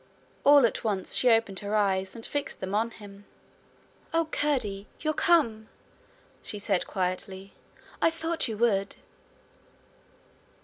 All at once she opened her eyes and fixed them on him. 'Oh, Curdie! you're come!' she said quietly. 'I thought you would!'